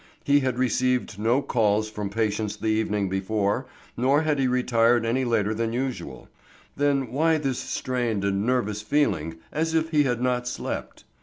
He had received no calls from patients the evening before, nor had he retired any later than usual. Then why this strained and nervous feeling, as if he had not slept?